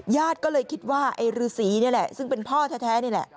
ญาติก็เลยคิดว่าไอ้ฤษีนี่แหละซึ่งเป็นพ่อแท้นี่แหละ